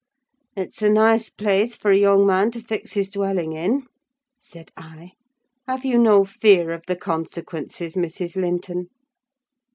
"It's a nice place for a young man to fix his dwelling in!" said I. "Have you no fear of the consequences, Mrs. Linton?"